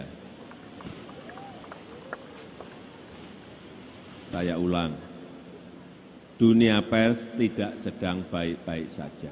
hai saya ulang di dunia pers tidak sedang baik baik saja